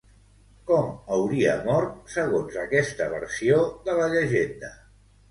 Com hauria mort, segons aquesta versió de la llegenda?